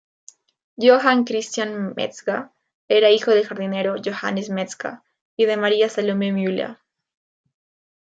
Johann Christian Metzger era hijo del jardinero "Johannes Metzger" y de Maria Salome Müller.